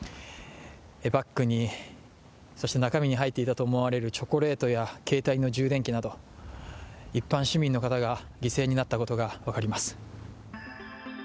バッグに、そして中に入っていたとみられるチョコレートや携帯の充電器など、一般市民の方が犠牲になったことが分かります。